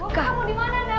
bu kamu dimana dah